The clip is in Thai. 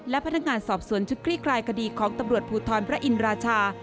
และพนักงานสอบสวนชุดคลี่คลายคดีของตำรวจภูทรพระอินราชา